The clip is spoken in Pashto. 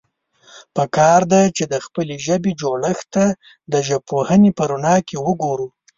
پکار ده، چې د خپلې ژبې جوړښت ته د ژبپوهنې په رڼا کې وګورو.